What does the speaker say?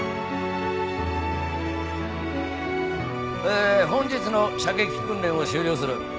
えー本日の射撃訓練を終了する。